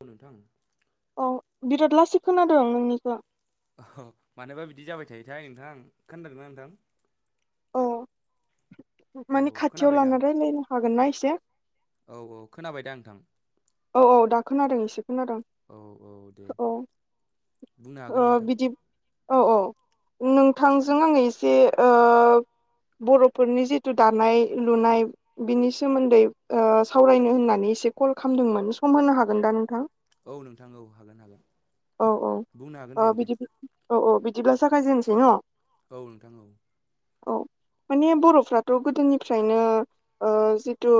औ नोंथां औ बिराद लासै खोनादों नोंनिखो अ मानोबा बिदि जाबाय थायोथाय नोंथां खोनादोंना नोंथां अ औ माने खाथियाव खोनाबाय दा लानानानै रायलायनो हागोनना एसे औ औ खोनाबाय दा नोंथां औ औ दा खोनादों एसे खोनादों औ औ दे औ बुंनो ओ हागोन नोंथां बिदि औ औ नोंथांजों आङो एसे ओ बर'फोरनि जिथु दानाय लुनाय बिनि सोमोन्दै ओ सावरायनोहोननानै एसे कल खामदोंमोन सम होनो हागोन दा नोंथां? औ नोंथां औ हागोन हागोन औ औ बुंनो हागोन ओ दे नोंथां बिदि औ औ बिदिब्ला जागायजेननोसै न' औ नोंथां औ औ माने बर'फ्राथ' गोदोनिफ्रायनो ओ जिथु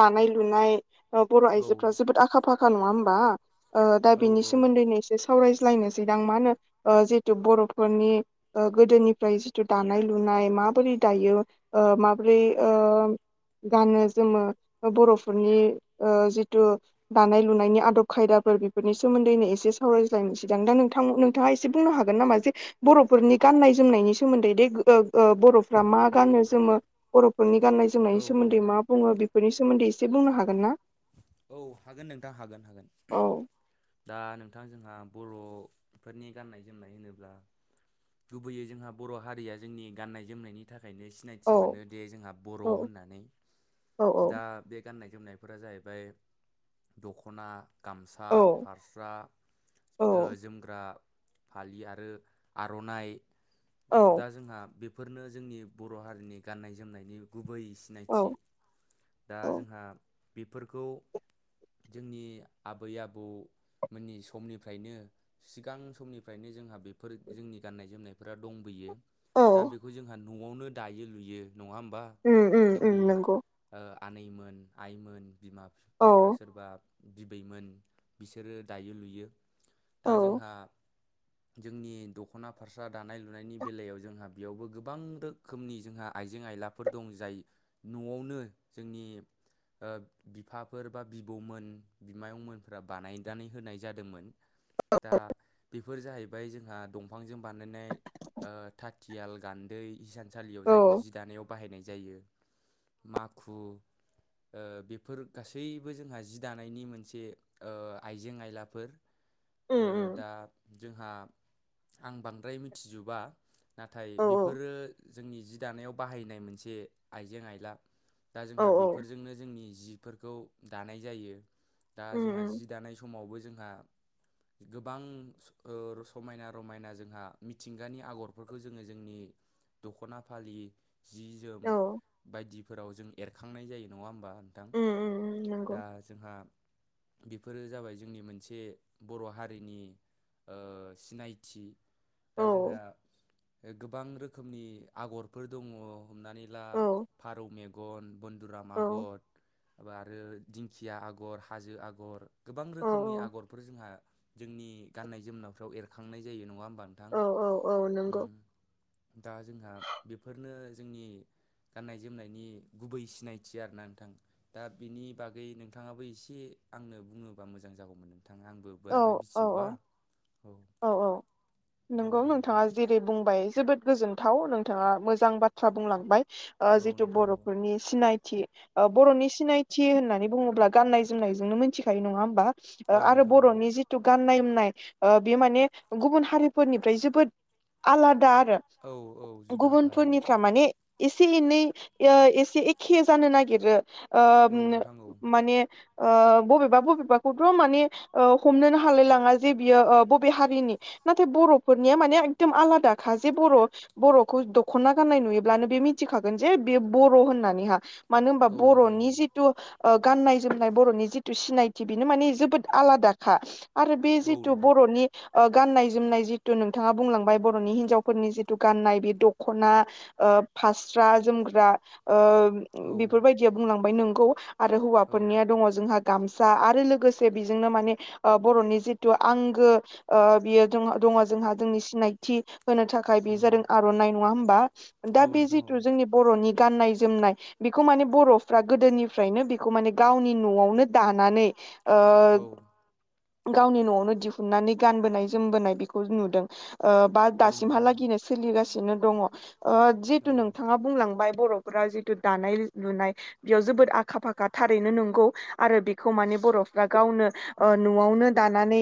दानाय लुनाय ओ बर' औ आइजोफ्रा जोबोद आखा फाखा नङा होमबा ओ दा औ बिनि सोमोन्दैनो एसे सावरायज्लायनोसै दां मानो होनो ओ जिथु बर'फोरनि ओ गोदोनिफ्राय जिथु दानाय लुन नाय माबोरै दायो ओ माबोरै ओ गानो जोमो बर'फोरनि ओ जिथु दानाय लुनायनि आदब खायदाफोर बिफोरनि सोमोन्दैनो एसे सावरायज्लायनोसैदां दा नोंथां थां-नोंथाङा एसे बुंनो हागोन नामा जे बर'फोरनि गान्नाय जोमनायनि सोमोन्दै दे ओ ओ बर'फ्रा मा मा गानो जोमो बर'फोरनि गान्नाय औ जोमनायनि औ सोमोन्दै मा बुङो बेफोरनि सोमोन्दै एसे बुंनो हागोन ना औ हागोन नोंथां हागोन हागोन औ दा नों थां जोंहा बर'फोरनि गाननाय जोमनाय होनोब्ला गुबैयै जोंहा बर' हारिया जोंनि गान्नाय जोमनायनि था नो सिनायथि औ मोनोदि जोंहा बर' औ होननानै औ दा बे गाननाय जोमनायफोरा जाहैबाय दख'ना गामसा औ फारस्रा ओ औ जोमग्रा फालि आरो आर'नाइ औ दा जोंहा बे फोरनो जोंनि बर' हारिनि गाननाय जोमनायनि गुबै औ सिनायथि दा औ जोंहा बेफोरखौ जोंनि आबै आबौ मोननि समनिफ्रायनो सिगां समनिफ्रायनो जोंहा बेफोर जोंनि गाननाय जोमनायफोरा दंबोयो औ दा बेखौ जोंहा न'आवनो दायो लुयो नङा होमबा उम उम उम जोंनि‌ नंगौ ओ आनैमोन आइमोन बिमा औ बिफा सोरबा बिबैमोन बिसोरो दायो लुयो दा औ जोंहा जोंनि दख'ना फारसा दानाय लुनायनि बेलायाव जोंहा बेयावबो गोबां रोखोमनि जोंहा आइजें आइ लाफोर दं जाय न'आवनो जोंनि ओ फोर बा बिब'मोन बिमाइअंमोनफोरा बानायनानै होनाय जादोंमोन दा बे बेफोर जाहैबाय जोंहा दंफांजों बानायनाय ओ‌थाथियाल गान्दै इसानसालियाव औ जायखौ जि दानायाव बाहायनाय जायो माखु बेफोर गासैबो जोंहा जि दानायनि मोनसे ओ‌‌ आइजें आयलाफोर‌ उम ओ उम दा जोंहा आं बांद्राय मिथिजोबा नाथाय औ बेफोरो जोंनि जि दानायाव बाहायनाय मोनसे आइजें आइला दा औ जोंहा औ बेफोरजोंनो जोंनि जि फोरखौ दानाय जायो दा उम जोंहा उम जि दानाय समावबो जोंहा गोबां समायना रमायना जोंहा मिथिंगानि आगरफोरखौ जोङो जोंनि दख'ना फालि जि जोम औ बायदिफोराव जों एरखांनाय जायो नङा होमबा नोंथां उम उम उम नंगौ दा जोंहा बेफोरो जाबाय जोंनि मोनसे बर' हारिनि ओ सिनायथि औ दा जोंहा गोबां रोखोमनि आगरफोर दङ हमनानै ला औ फारौ मेगन बन्दुराम औ आगर आरो दिंखिया आगर हाजो आगर गोबां रोखोमनि औ आगरफोर जोंहा जोंनि गाननाय जोमनायफ्राव एरखांनाय जायो नङा होम औ औ औ नंगौ दा जोंहा बेफोरनो जोंनि गाननाय जोमनायनि गुबै सिनायथि आरोना नोंथां दा बिनि बागै नोंथाङाबो एसे आंनो बुङोबा मोजां जागौमोन आंबो औ बारा मिथिजोबा औ औ नंगौ दे नोंथां नोंथाङा जेरै बुं जोबोद गोजोनथाव नोंथाङा मोजां बाथ्रा बुंलांबाय ओ औ जिथु नोंथां औ बर'फोरनि सिनायथि बर'नि सिनायथि होननानै बुङोब्ला गाननाय जोमनायजोंनो मिथिखायो नङा होमबा औ आरो नोंथां औ बर'नि जिथु गाननाय नाय बियो माने गुबुन हारिफोरनिफ्राय जोबोद आलादा औ औ आरो जुदाखा औ गुबुनफोरनिफ्रा माने एसे एनै ओ एसे एखे जानो नागिरो ओ औ नोंथां औ माने ओ बबेबा बबेबाखौथ' माने ओ हमनोनो हालाय लाङा जे बियो बबे हारिनि नाथाय बर'फोरनिया माने एकदम आलादा खा जे बर' बर'खौ दख'ना गाननाय नुयोब्लानो बे मिथिखागोन जे बे बर' होननानैहा मानो होनबा औ नोंथां औ बर'नि जिथु ओ गाननाय जोमनाय बर'नि जिथु सिनायथि बेनो माने जोबोद आलादाखा आरो बे औ जिथु नोंथां बर'नि ओ गाननाय जोमनाय जिथु नोंथाङा बुंलांबाय बर'नि हिन्जावफोरनि जिथु गाननाय बे दखना ओ फास्रा जोमग्रा ओ औ बेफोरबायदिया बुंलांबाय नोंगौ आरो औ हौवाफोरनिया दङ जोंहा गामसा आरो लोगोसे बेजोंनो माने ओ बर'नि जिथु आंगो बियो जों दङ जोंहा जोंनि सिनायथि होनो थाखाय बे उम जादों आर'नाइ नङा होमबा औ दा बे नोंथां जिथु औ जोंनि बर'नि गाननाय जोमनाय बेखौ माने बर'फ्रा गोदोनिफ्रायनो बेखौ माने गावनि न'वावनो दानानै औ गावनि न'वावनो दिहुनानै गानबोनाय जोमबोनाय बेखौ नुदों बा औ नोंथां औ दासिमहालागिनो सोलिगासिनो दङ औ जितु नोंथाङा बुंलांबाय बर'फोरा जिथु दानाय लुनाय बेयाव जोबोद आखा फाखा थारैनो नंगौ आरो बेखौ माने बर'फ्रा गावनो न'वावनो दानानै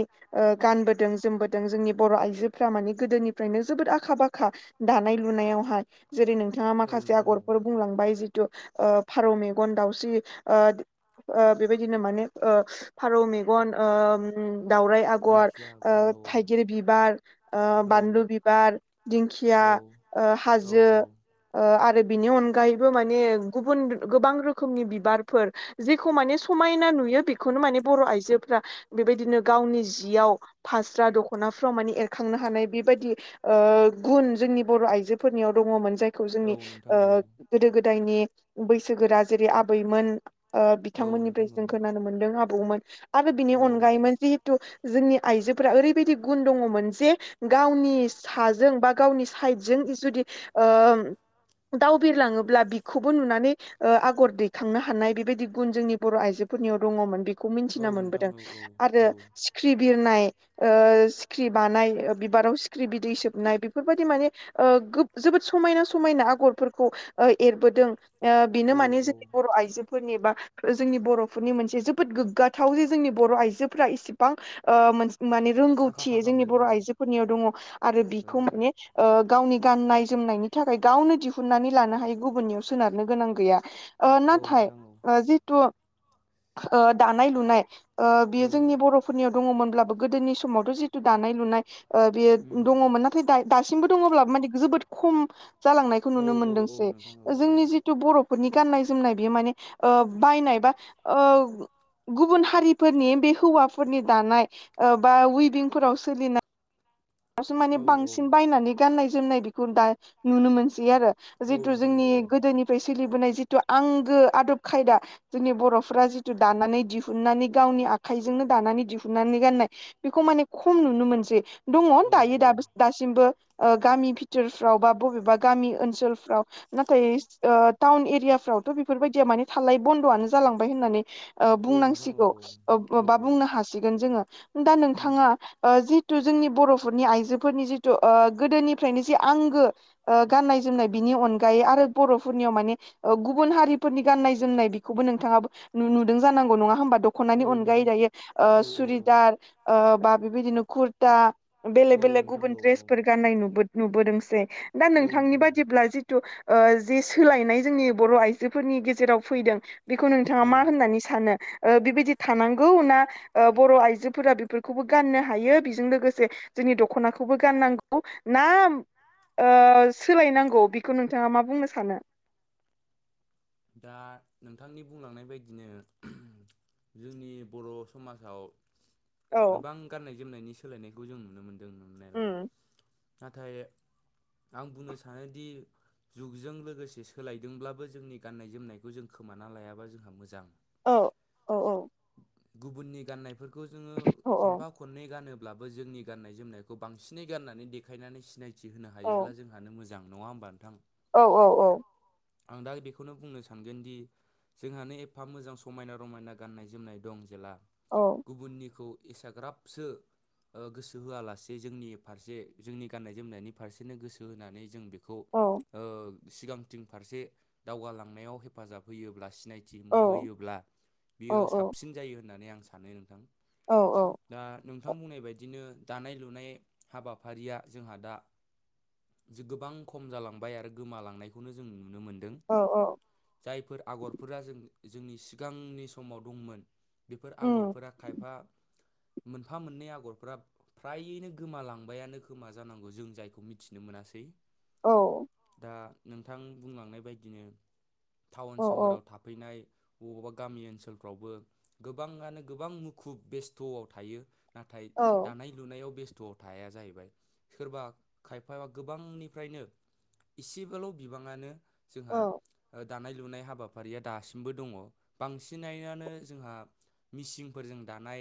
गानबोदों जोमबोदों जोंनि बर' आइजोफ्रा माने गोदोनिफ्रायनो जोबोद आखा फाखा दानाय लुनायावहाय जेरै नोंथाङा औ माखासे नोंथां औ आगरफोर बुंलांबाय जिथु ओ फारौ मेगन दाउसि ओ ओ बेबायदिनो माने ओ फारौ मेगन अ दावराय आगर दिंखिया ओ आगर औ थाइगिर बिबार ओ औ बानलु बिबार दिंखिया औ औ हाजो औ ओ आरो बिनि अनगायैबो माने गुबन गोबां रोखोमनि बिबारफोर जेखौ माने समायना नुयो बेखौनो माने बर' आइजोफ्रा बेबायदिनो गावनि जियाव फास्रा दख'नाफ्राव माने एरखांनो हानाय बेबायदि ओ गुन जोंनि बर' आइजोफोरनियाव दङमोन जाय यखौ औ जोंनि नोंथां ओ औ गोदो-गोदायनि बैसोगोरा जेरै आबैमोन ओ औ बिथांमोननिफ्राय नोंथां जों औ खोनानो मोनदों आबौमोन आरो बिनि औ अनगायैमोन जिहेतु जोंनि आइजोफोरा ओरैबायदि गुन दङमोन जे गावनि साजों बा गावनि साइडजों जुदि ओ दाव बिरलाङोब्ला बिखौबो नुनानै आगर दैखांनो हानाय बेबायदि गुन जोंनि बर' आइजो फोरनियाव दङमोन बेखौ औ मिथिना नोंथां मोनबोदों औ आरो औ सिख्रि बिरनाय ओ सिख्रि बानाय बिबाराव सिख्रि बिदै सोबनाय बेफोरबायदि माने ओ जोबोद समायना समायना आगरफोरखौ एरबोदों ओ बेनो औ माने औ जोंनि बर' आइजो फोरनि बा जोंनि बर'फोरनि मोनसे जोबोद गोग्गाथाव जे जोंनि बर' आइजोफ्रा इसिबां ओ मोनसे माने आखा रोंगौथि जोंनि फाखामोन बर' औ आइजोफोरनियाव दङ आरो औ बिखौ माने ओ गावनि गाननाय जोमनायनि थाखाय गावनो दिहुननानै लानो हाय गुबुननियाव सोनारनो गोनां गैया ओ औ नाथाय नोंथां औ जिथु ओ दानाय लुनाय ओ औ बियो जोंनि बर'फोरनियाव दङमोनब्लाबो गोदोनि समावथ' जिथु दानाय लुनाय बेयो उम दङमोन नाथाय दा दासिमबो दङब्लाबो माने जोबोद खम जालांनायखौ औ नुनो औ औ मोनदोंसो नोंथां औ औ जोंनि जिथु बर' फोरनि गाननाय जोमनाय बियो ओ माने बायनाय बा ओ गुबुन हारि फोरनि बे हौवाफोरनि दानाय ओ बा उइभिंफोराव सोलिनाय दासो माने औ औ बांसिन बायनानै गाननाय जोमनाय बेखौ दा नुनो मोनसै आरो औ जिथु नोंथां जोंनि औ गोदोनिफ्राय सोलिबोनाय जिथु आंगो आदब खायदा जोंनि बर'फोरा जिथु दानानै दिहुननानै गावनि आखाइजों दानानै दिहुननानै गाननाय बेखौ माने खम नुनो मोनसै दङ औ दायो औ दाबो दासिमबो गामि भिथोरफ्राव बा बबेबा गामि ओनसोलफ्राव नाथाय टाउन एरियाफ्राव थ' बेफोरबायदिया माने थाल्लायै बन्द'आनो जालांबाय होननानै ओ औ नोंथां औ बुंनांसिगौ औ बा औ बुंनो हासिगोन जोङो दा उम नोंथाङा जि जोंनि बर'फोरनि आइजोफोरनि जिथु ओ गोदोनिफ्रायनो जि आंगो ओ गाननाय-जोमनाय बिनि अन अनगायै आरो बर'फोरनियाव माने ओ गुबुन हारिफोरनि गाननाय जोमनाय बेखौबो नोंथाङाबो नुदों जांगौ नङा होमबा दख'नानायनि औ अनगायै नोंथां दायो ओ औ औ औ सुरिदार ओ बा बेबायदिनो कुरता बेलेग औ बेलेग नोंथां गुबुन औ औ द्रेसफोर गाननाय नुबो नुबोदोंसै दा औ नोंथांनि नोंथां औ बादिब्ला जिथु ओ जे सोलायनाय जोंनि बर' आइजोफोरनि गेजेराव फैदों। बेखौ नोंथाङा मा औ होननानै सानो। ओ बिबिदि थानांगौ ना बर' ओ आइजोफोरा बेफोरखौबो गाननो हायो। जों लोगोसे जोंनि दखनाखौबो गाननांगौ ना ओ सोलायनांगौ बेखौ नोंथाङा मा बुंनो सानो। दा नोंथांनि बुंलांनाय बायदिनो जोंनि बर' समाजाव औ गोबां गाननाय जोमनायनि सोलायनायखौ जों नुनो मोन्दों नुनायालाय। उम नाथाय आं बुंनो सानोदि जुगजों लोगोसे सोलायदोंब्लाबो जोंनि गाननाय जोमनायखौ जों खोमाना लायाबा जोंहा मोजां। औ औ औ। गुबुननि गाननायफोरखौ जोङो औ खनफा खननै गानो ब्लाबो जोंनि गाननाय जोमनायखौ बांसिनै गाननानै देखायनानै सिनायथि होनो हायोब्ला जोंहानो मोजां। नङा होमबा नोंथां। औ औ औ। आं दा बेखौ खौनो बुंनो सानगोन दि जोंहानो एफा मोजां समायना रमायना गाननाय जोमनाय दं जेला औ गुबुननिखौ एसाग्राबसो ओ गोसो होआलासे जोंनि फारसे जोंनि गाननाय जोमनायनि फारसेनो गोसो होनानै जों बेखौ खौ औ ओ सिगांथिं फारसे दावगालांनायाव हेफाजाब होयोब्ला सिनाय थि औ होयोब्ला बियो साबसिन जायो होननानै आं सानो नोंथां। औ औ। दा नोंथां बुंनाय बायदिनो दानाय लुनाय हाबाफारिया जोंहा दा। गोबां खम जालांबाय आरो गोमालांनायखौनो जों नुनो मोनदों। औ औ जायफोर आगरफोरा जोंनि सिगांनि समाव दंमोन। बेफोर उम आगरफोरा खायफा मोनफा मोननै आगरफोरा फ्रायैनो गोमालांबायानो खोमा जानांगौ जों जायखौ मिथिनो मोनासै। औ। दा नोंथां बुंलांनाय बायदिनो टाउन औ सोहोराव थाफैनाय। बबावबा गामि ओनसोलफ्रावबो गोबाङानो गोबां मुखुब बेस्थ'आव थायो। नाथाय औ दानाय लुनायाव बेस्थ। थ थाया जाहैबाय सोरबा खायफाया गोबांनिफ्रायनो इसेबोल' बिबाङानो जोंहा औ दानाय लुनाय हाबाफारिया दासिमबो दङ बांसिनानो जोंहा मिसिंफोरजों दानाय।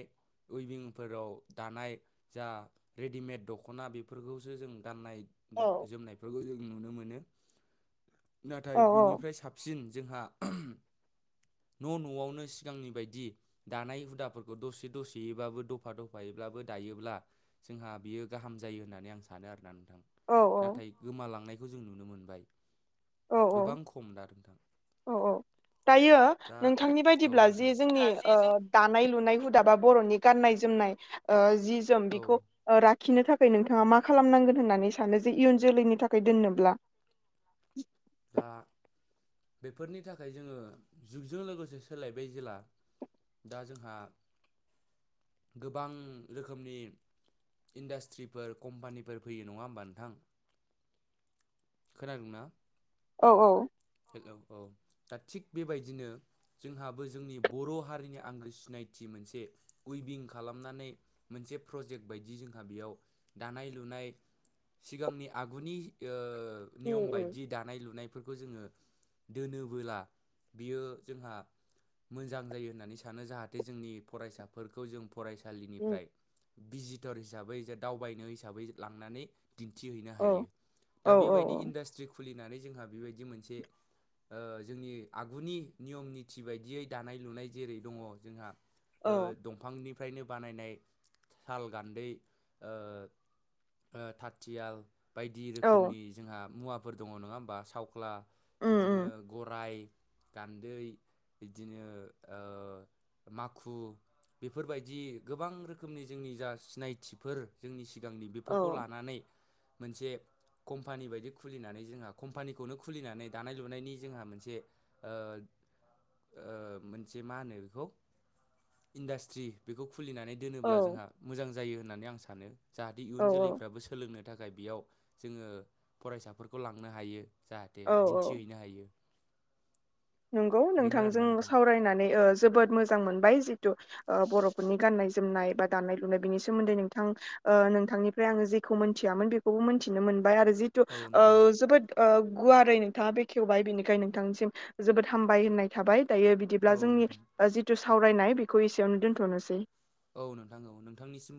उइभिंफोराव दानाय जा रेडिमेड दख'ना बेफोरखौसो जों गाननाय। औ जोमनायफोरखौ जों नुनो मोनो नाथाय बिनिफ्राय औ साबसिन जोंहा न' न'आवनो सिगांनि बायदि दानाय हुदाफोरखौ दसे दसेयैबाबो दफा दफायै ब्लाबो दायोब्ला जोंहा बियो गाहाम जायो होननानै आं सानो आरोना। थां नाथाय गोमालांनायखौ जों नुनो मोनबाय। औ गोबां खमदा नोंथां। औ औ दायो दा नोंथांनि औ बायदिब्ला नोंथां जे जोंनि ओ दानाय लु नाय हुदा बा बर'नि गाननाय जोमनाय ओ जि-जोम औ बिखौ खिनो थाखाय नोंथाङा मा खालामनांगोन होननानै सानो जे इयुन जोलैनि थाखाय दोननोब्ला दा बेफोरनि थाखाय जोङो जुगजों लोगोसे सोलायबाय जेला दा जोंहा गोबां रोखोमनि इन्डास्ट्रिफोर कम्पानिफोर फैयो नङा होमबा नोंथां खोनादोंना औ औ हेल' औ। दा थिग बेबायदिनो जोंहाबो जोंनि बर' हारिनि आंगो सिनायथि मोनसे उइभिं खालामनानै मोनसे प्रजेक्ट बायदि जोंहा बेयाव दानाय लुनाय सिगांनि आगुनि उम नियम उम बायदि दानाय लुनाय फोरखौ जोङो दोनोबोला बियो जोंहा मोजां जायो होननानै सानो जाहाथे जोंनि फरायसाफोरखौ जों उम फरायसालिनिफ्राय भिजिटर हिसाबै जे दावबायनो हिसाबै लांनानै दिन्थिहैनो औ हायो। औ दा बेबायदि इन्डास्ट्रि खुलिनानै जोंहा बेबायदि मोनसे ओ जोंनि आगुनि नियम निथि बायदियै दानाय- लुनाय जेरै दङ जोंहा औ ओ दंफांनिफ्रायनो बानायनाय साल गान्दै, ओ ओ थाथियाल, बायदि औ रोखोमनि जोंहा मुवाफोर दङ नङा होमबा सावख्ला, उम बिदिनो उम गराइ गान्दै बिदिनो ओ माखु बेफोरबायदि गोबां रोखोमनि जोंनि जा सिनायथिफोर जोंनि सि गांनि बेफोरखौ औ लानानै मोनसे कम्पानि बायदि खुलिनानै जोंहा कम्पानि खौनो खुलिनानै दानाय-लुनायनि जोंहा मोनसे ओ ओ मोनसे मा होनो बेखौ इन्डास्ट्रि बेखौ खुलिनानै औ दोनोब्ला जोंहा मोजां जायो होननानै आं सानो। जाहाथे औ इयुन जोलैफ्राबो सोलोंनो थाखाय बेयाव जोङो फरायसाफोरखौ लांनो हायो जाहाथे औ औ दिन्थिहैैनो हायो नंगौ बेनो आरोना नोंथांजों नोंथां सावरायनानै ओ जोबोद मोजां मोनबाय जितु बर'फोरनि गान्नाय- जोमनाय बा दानाय-लुनाय बिनि सोमोन्दै नोंथां ओ नोंथांनिफ्राय आङो जेखौ मोनथियामोन बेखौबो मोनथिनो मोन बाय आरो जिथु औ नोंथां जोबोद गुवारै नोंथाङा बेखेवबाय बेनिखायनो नोंथांनिसिम जोबोद हामबाय होननाय थाबाय। दायो बिदिब्ला औ जोंनि नोंथां जिथु सावरायनाय बेखौ एसेयावनो दोनथ'नोसै औ नोंथां औ नोंथांनिसिम